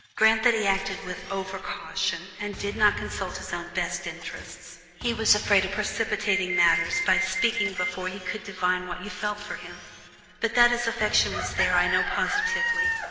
Grant that he acted with over caution, and did not consult his own best interests: he was afraid of precipitating matters by speaking before he could divine what you felt for him. But that his affection was there, I know positively.